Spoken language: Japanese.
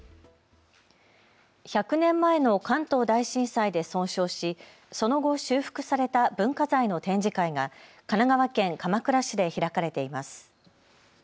１００年前の関東大震災で損傷しその後、修復された文化財の展示会が神奈川県鎌倉市で開かれています。